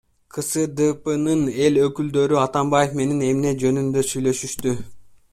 КСДПнын эл өкүлдөрү Атамбаев менен эмне жөнүндө сүйлөшүштү?